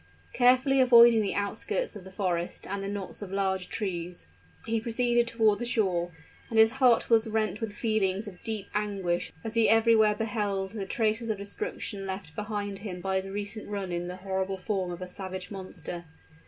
Carefully avoiding the outskirts of the forest and the knots of large trees, he proceeded toward the shore; and his heart was rent with feelings of deep anguish as he everywhere beheld the traces of destruction left behind him by his recent run in the horrible form of a savage monster.